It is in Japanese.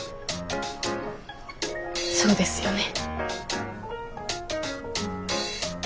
そうですよね。